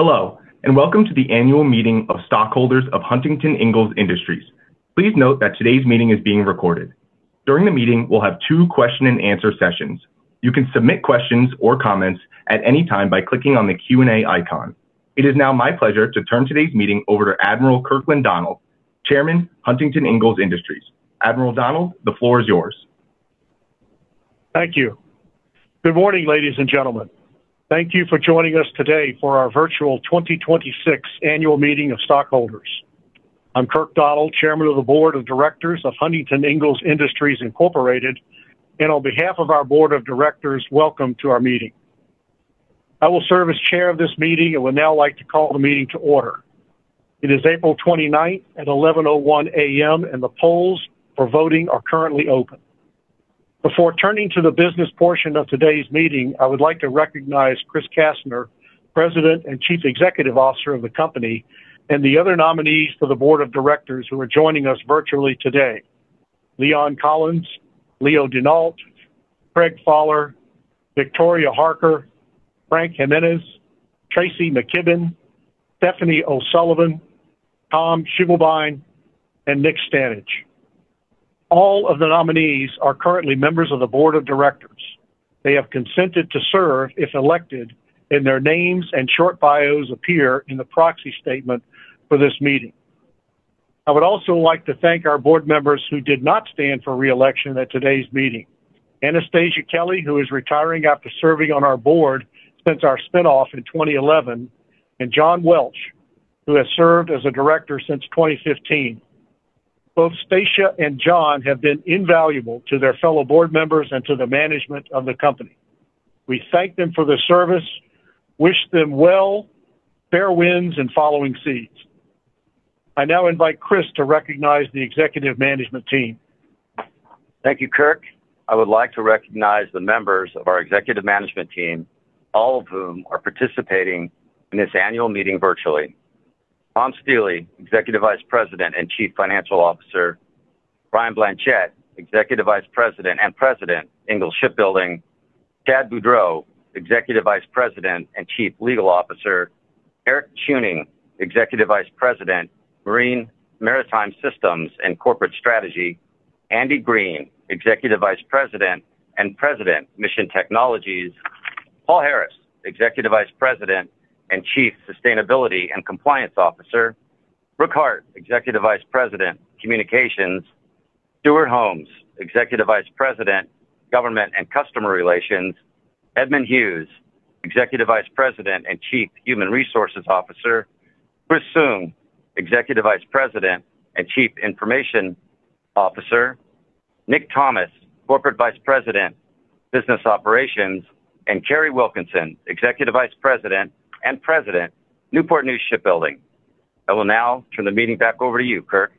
Hello, and welcome to the Annual Meeting of Stockholders of Huntington Ingalls Industries. Please note that today's meeting is being recorded. During the meeting, we'll have two question-and-answer sessions. You can submit questions or comments at any time by clicking on the Q&A icon. It is now my pleasure to turn today's meeting over to Admiral Kirkland Donald, Chairman, Huntington Ingalls Industries. Admiral Donald, the floor is yours. Thank you. Good morning, ladies and gentlemen. Thank you for joining us today for our virtual 2026 Annual Meeting of Stockholders. I'm Kirk Donald, Chairman of the Board of Directors of Huntington Ingalls Industries, Inc. On behalf of our Board of Directors, welcome to our meeting. I will serve as chair of this meeting and would now like to call the meeting to order. It is April 29th at 11:01 A.M., and the polls for voting are currently open. Before turning to the business portion of today's meeting, I would like to recognize Chris Kastner, President and Chief Executive Officer of the company, and the other nominees for the Board of Directors who are joining us virtually today: Leon Collins, Leo Denault, Craig Faller, Victoria Harker, Frank Jimenez, Tracy McKibben, Stephanie O'Sullivan, Tom Schievelbein, and Nick Stanage. All of the nominees are currently members of the board of directors. They have consented to serve if elected, and their names and short bios appear in the proxy statement for this meeting. I would also like to thank our board members who did not stand for re-election at today's meeting. Anastasia Kelly, who is retiring after serving on our board since our spin-off in 2011, and John Welch, who has served as a director since 2015. Both Stasia and John have been invaluable to their fellow board members and to the management of the company. We thank them for their service, wish them well, fair winds, and following seas. I now invite Chris to recognize the executive management team. Thank you, Kirk. I would like to recognize the members of our executive management team, all of whom are participating in this annual meeting virtually. Tom Stiehle, Executive Vice President and Chief Financial Officer. Brian Blanchette, Executive Vice President and President, Ingalls Shipbuilding. Chad Boudreaux, Executive Vice President and Chief Legal Officer. Eric Chewning, Executive Vice President, Marine, Maritime Systems, and Corporate Strategy. Andy Green, Executive Vice President and President, Mission Technologies. Paul Harris, Executive Vice President and Chief Sustainability and Compliance Officer. Brooke Hart, Executive Vice President, Communications. Stewart Holmes, Executive Vice President, Government and Customer Relations. Edmund Hughes, Executive Vice President and Chief Human Resources Officer. Chris Soong, Executive Vice President and Chief Information Officer. Nick Thomas, Corporate Vice President, Business Operations. Kari Wilkinson, Executive Vice President and President, Newport News Shipbuilding. I will now turn the meeting back over to you, Kirk.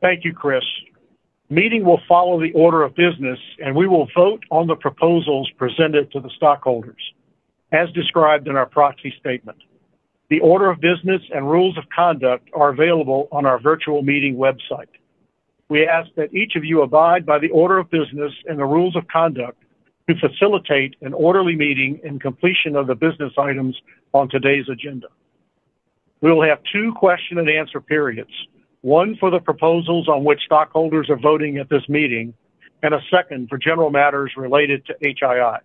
Thank you, Chris. Meeting will follow the order of business, and we will vote on the proposals presented to the stockholders as described in our proxy statement. The order of business and rules of conduct are available on our virtual meeting website. We ask that each of you abide by the order of business and the rules of conduct to facilitate an orderly meeting and completion of the business items on today's agenda. We will have two question and answer periods, one for the proposals on which stockholders are voting at this meeting, and a second for general matters related to HII.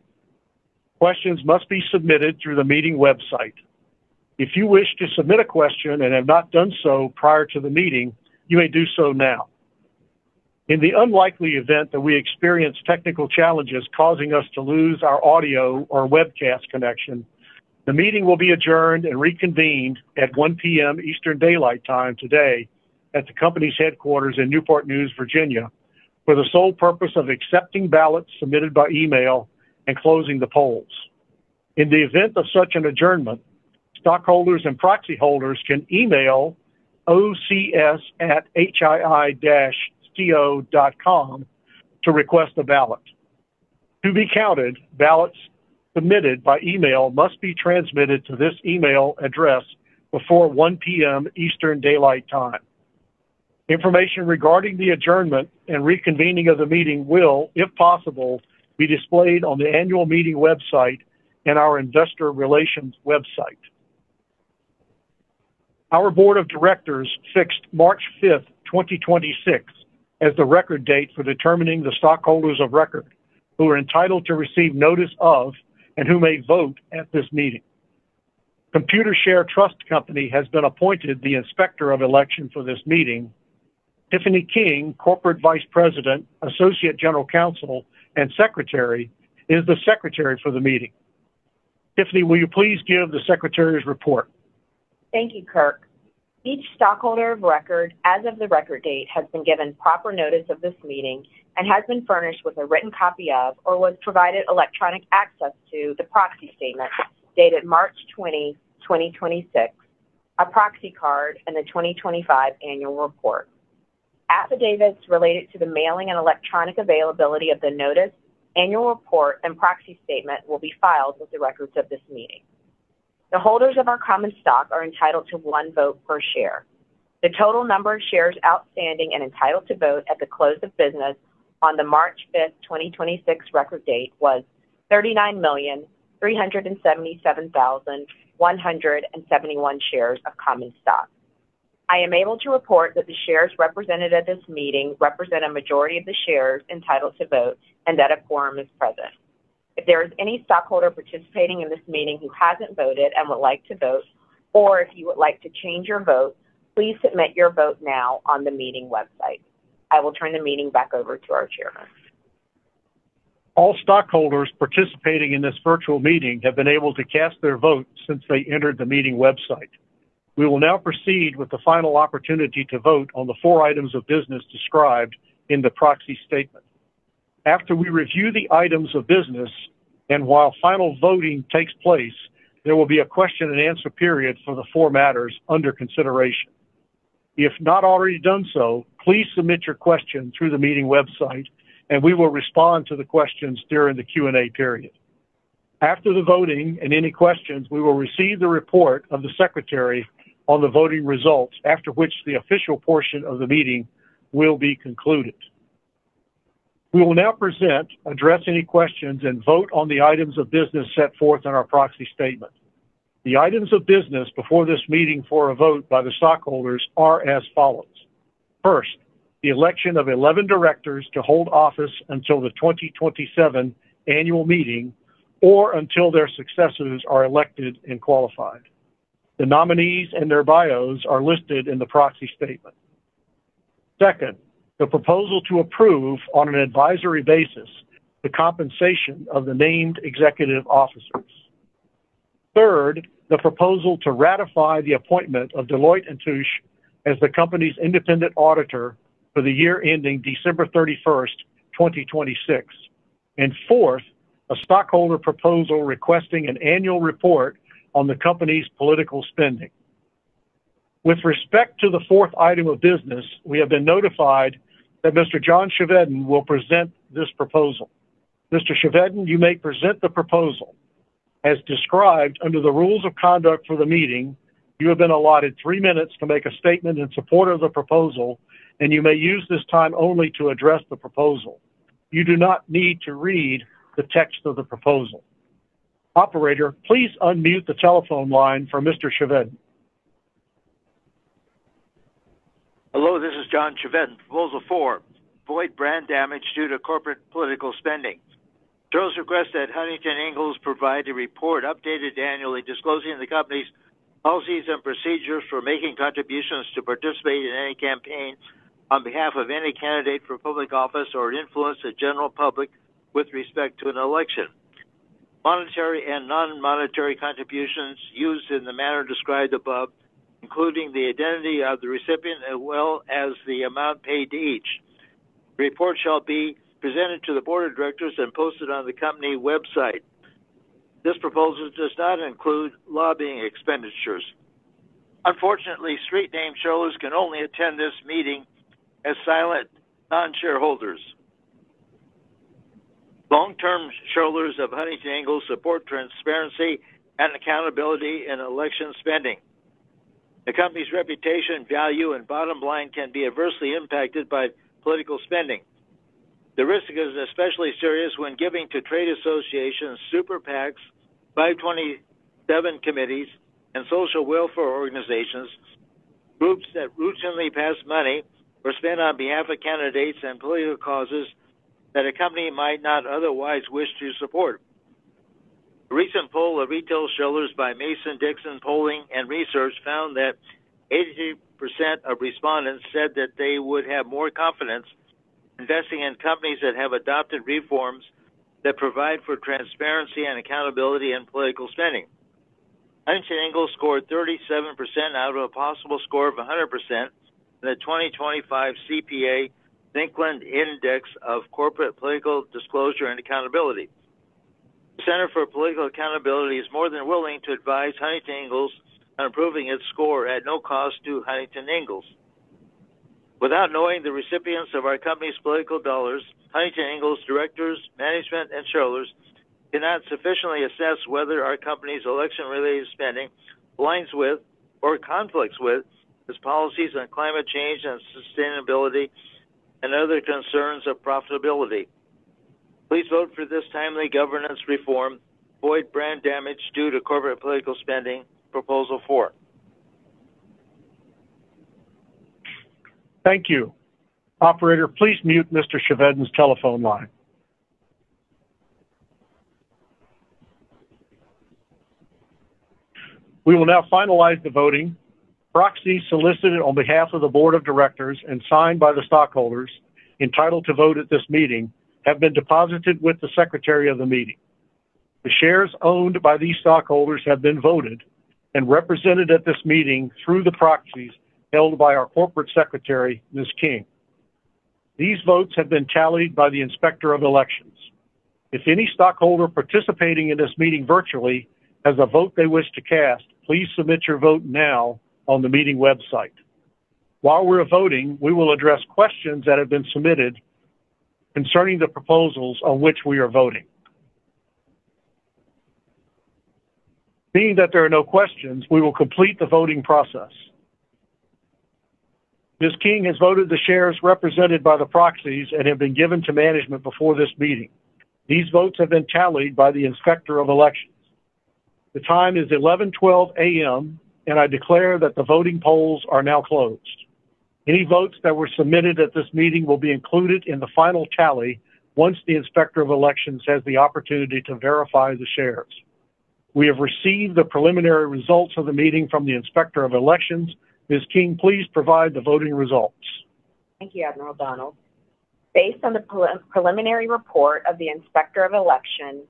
Questions must be submitted through the meeting website. If you wish to submit a question and have not done so prior to the meeting, you may do so now. In the unlikely event that we experience technical challenges causing us to lose our audio or webcast connection, the meeting will be adjourned and reconvened at 1:00 P.M. Eastern Daylight Time today at the company's headquarters in Newport News, Virginia, for the sole purpose of accepting ballots submitted by email and closing the polls. In the event of such an adjournment, stockholders and proxy holders can email ocs@hii-co.com to request a ballot. To be counted, ballots submitted by email must be transmitted to this email address before 1:00 P.M. Eastern Daylight Time. Information regarding the adjournment and reconvening of the meeting will, if possible, be displayed on the annual meeting website and our investor relations website. Our board of directors fixed March 5th, 2026 as the record date for determining the stockholders of record who are entitled to receive notice of and who may vote at this meeting. Computershare Trust Company has been appointed the inspector of election for this meeting. Tiffany King, Corporate Vice President, Associate General Counsel, and Secretary is the secretary for the meeting. Tiffany, will you please give the secretary's report? Thank you, Kirk. Each stockholder of record as of the record date has been given proper notice of this meeting and has been furnished with a written copy of or was provided electronic access to the proxy statement dated March 20, 2026, a proxy card, and the 2025 annual report. Affidavits related to the mailing and electronic availability of the notice, annual report, and proxy statement will be filed with the records of this meeting. The holders of our common stock are entitled to 1 vote per share. The total number of shares outstanding and entitled to vote at the close of business on the March 5, 2026 record date was 39,377,171 shares of common stock. I am able to report that the shares represented at this meeting represent a majority of the shares entitled to vote and that a quorum is present. If there is any stockholder participating in this meeting who hasn't voted and would like to vote, or if you would like to change your vote, please submit your vote now on the meeting website. I will turn the meeting back over to our chairman. All stockholders participating in this virtual meeting have been able to cast their vote since they entered the meeting website. We will now proceed with the final opportunity to vote on the four items of business described in the proxy statement. After we review the items of business and while final voting takes place, there will be a question-and-answer period for the four matters under consideration. If not already done so, please submit your question through the meeting website, and we will respond to the questions during the Q&A period. After the voting and any questions, we will receive the report of the secretary on the voting results, after which the official portion of the meeting will be concluded. We will now present, address any questions, and vote on the items of business set forth in our proxy statement. The items of business before this meeting for a vote by the stockholders are as follows. First, the election of 11 directors to hold office until the 2027 annual meeting or until their successors are elected and qualified. The nominees and their bios are listed in the proxy statement. Second, the proposal to approve, on an advisory basis, the compensation of the named executive officers. Third, the proposal to ratify the appointment of Deloitte & Touche as the company's independent auditor for the year ending December 31st, 2026. And fourth, a stockholder proposal requesting an annual report on the company's political spending. With respect to the fourth item of business, we have been notified that Mr. John Chevedden will present this proposal. Mr. Chevedden, you may present the proposal as described under the rules of conduct for the meeting. You have been allotted three minutes to make a statement in support of the proposal, and you may use this time only to address the proposal. You do not need to read the text of the proposal. Operator, please unmute the telephone line for Mr. Chevedden. Hello, this is John Chevedden. Proposal four, avoid brand damage due to corporate political spending. Chevedden requests that Huntington Ingalls provide a report updated annually, disclosing the company's policies and procedures for making contributions to participate in any campaigns on behalf of any candidate for public office or influence the general public with respect to an election. Monetary and non-monetary contributions used in the manner described above, including the identity of the recipient as well as the amount paid to each. The report shall be presented to the board of directors and posted on the company website. This proposal does not include lobbying expenditures. Unfortunately, street name shareholders can only attend this meeting as silent non-shareholders. Long-term shareholders of Huntington Ingalls support transparency and accountability in election spending. The company's reputation, value, and bottom line can be adversely impacted by political spending. The risk is especially serious when giving to trade associations, super PACs, 527 committees, and social welfare organizations, groups that routinely pass money or spend on behalf of candidates and political causes that a company might not otherwise wish to support. A recent poll of retail shareholders by Mason-Dixon Polling & Strategy found that 82% of respondents said that they would have more confidence investing in companies that have adopted reforms that provide for transparency and accountability in political spending. Huntington Ingalls scored 37% out of a possible score of 100% in the 2025 CPA-Zicklin Index of Corporate Political Disclosure and Accountability. The Center for Political Accountability is more than willing to advise Huntington Ingalls on improving its score at no cost to Huntington Ingalls. Without knowing the recipients of our company's political dollars, Huntington Ingalls directors, management, and shareholders cannot sufficiently assess whether our company's election-related spending aligns with or conflicts with its policies on climate change and sustainability and other concerns of profitability. Please vote for this timely governance reform. Avoid brand damage due to corporate political spending. Proposal 4. Thank you. Operator, please mute Mr. Chevedden's telephone line. We will now finalize the voting. Proxies solicited on behalf of the board of directors and signed by the stockholders entitled to vote at this meeting have been deposited with the secretary of the meeting. The shares owned by these stockholders have been voted and represented at this meeting through the proxies held by our corporate secretary, Ms. King. These votes have been tallied by the Inspector of Elections. If any stockholder participating in this meeting virtually has a vote they wish to cast, please submit your vote now on the meeting website. While we are voting, we will address questions that have been submitted concerning the proposals on which we are voting. Being that there are no questions, we will complete the voting process. Ms. King has voted the shares represented by the proxies and have been given to management before this meeting. These votes have been tallied by the Inspector of Elections. The time is 11:12 A.M. I declare that the voting polls are now closed. Any votes that were submitted at this meeting will be included in the final tally once the Inspector of Elections has the opportunity to verify the shares. We have received the preliminary results of the meeting from the Inspector of Elections. Ms. King, please provide the voting results. Thank you, Admiral Donald. Based on the preliminary report of the Inspector of Elections,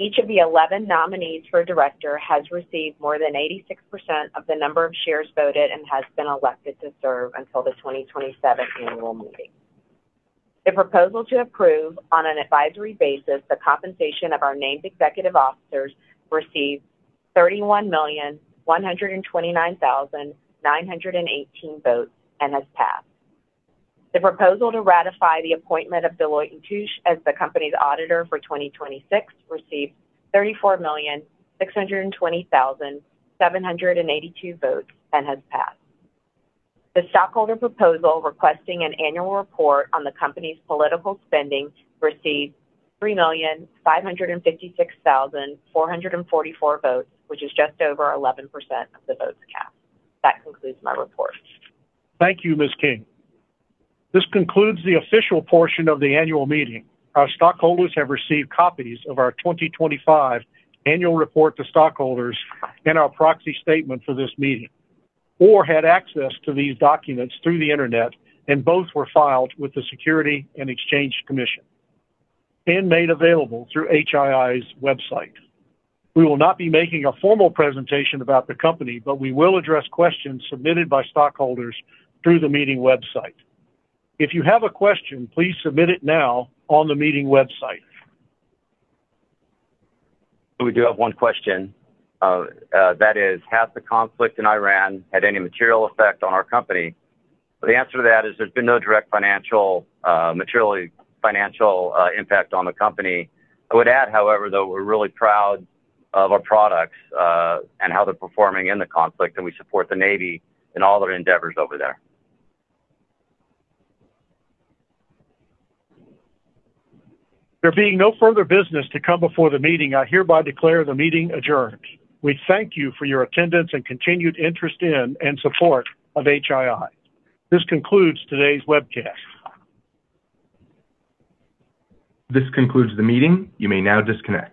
each of the 11 nominees for director has received more than 86% of the number of shares voted and has been elected to serve until the 2027 annual meeting. The proposal to approve, on an advisory basis, the compensation of our named executive officers received 31,129,918 votes and has passed. The proposal to ratify the appointment of Deloitte & Touche as the company's auditor for 2026 received 34,620,782 votes and has passed. The stockholder proposal requesting an annual report on the company's political spending received 3,556,444 votes, which is just over 11% of the votes cast. That concludes my report. Thank you, Ms. King. This concludes the official portion of the annual meeting. Our stockholders have received copies of our 2025 annual report to stockholders and our proxy statement for this meeting or had access to these documents through the internet, and both were filed with the Securities and Exchange Commission and made available through HII's website. We will not be making a formal presentation about the company, but we will address questions submitted by stockholders through the meeting website. If you have a question, please submit it now on the meeting website. We do have one question. That is, "Has the conflict in Iran had any material effect on our company?" The answer to that is there's been no direct financial, materially financial impact on the company. I would add, however, though, we're really proud of our products and how they're performing in the conflict, and we support the Navy in all their endeavors over there. There being no further business to come before the meeting, I hereby declare the meeting adjourned. We thank you for your attendance and continued interest in and support of HII. This concludes today's webcast. This concludes the meeting. You may now disconnect.